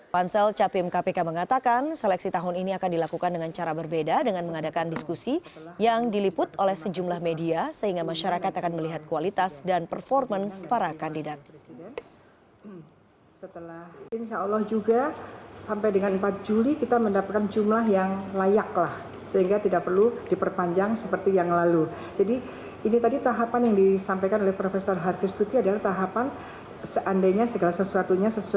pansel capim kpk mengatakan seleksi tahun ini akan dilakukan dengan cara berbeda dengan mengadakan diskusi yang diliput oleh sejumlah media sehingga masyarakat akan melihat kualitas dan performance para kandidat